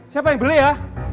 siapa yang beli ya